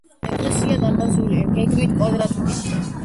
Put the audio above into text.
ეკლესია დარბაზულია, გეგმით კვადრატული.